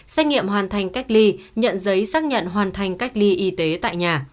xét nghiệm hoàn thành cách ly nhận giấy xác nhận hoàn thành cách ly y tế tại nhà